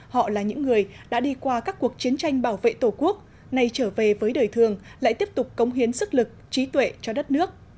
họ là những người đã đi qua các cuộc chiến tranh bảo vệ tổ quốc nay trở về với đời thường lại tiếp tục cống hiến sức lực trí tuệ cho đất nước